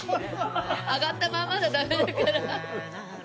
上がったままじゃダメだから。